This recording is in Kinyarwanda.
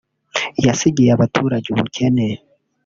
yasigiye abaturage ubukene